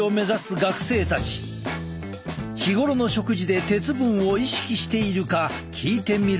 日頃の食事で鉄分を意識しているか聞いてみると。